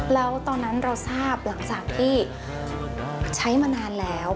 แล้วตอนนั้นเราทราบหลังจากที่ใช้มานานแล้ว